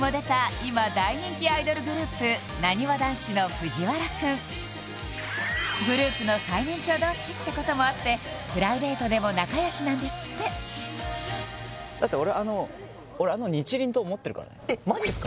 今大人気アイドルグループグループの最年長同士ってこともあってプライベートでも仲良しなんですってだって俺あのあの日輪刀持ってるからねマジっすか？